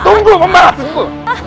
tunggu mama tunggu